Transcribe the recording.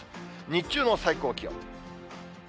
日中の最高気温。